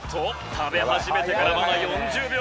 食べ始めてからまだ４０秒。